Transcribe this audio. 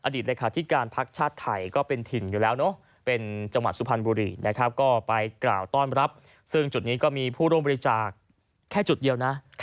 อดีตที่การพักชาติไทย